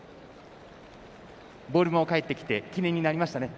ボールも返ってきて記念になりましたね。